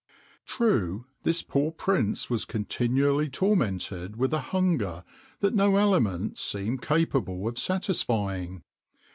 [XXIX 19] True, this poor prince was continually tormented with a hunger that no aliment seemed capable of satisfying.